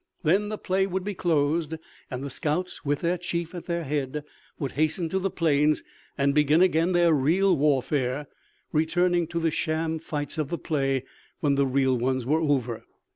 Then the play would be closed, and the scouts, with their chief at their head, would hasten to the plains and begin again their real warfare, returning to the sham fights of the play when the real ones were over.